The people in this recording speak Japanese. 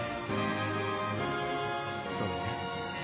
そうね